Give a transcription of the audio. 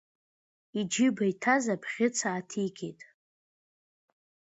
Иџьыба иҭаз абӷьыц ааҭигеит.